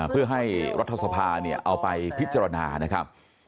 เพื่อให้รัฐสภาเอาไปพิจารณานะครับ